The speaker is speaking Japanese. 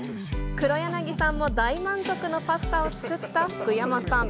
黒柳さんも大満足のパスタを作った福山さん。